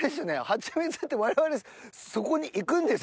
ハチミツって我々そこに行くんですよね？